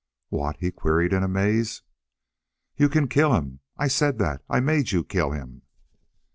"What?" he queried in amaze. "'YOU CAN KILL HIM!'... I said that. I made you kill him."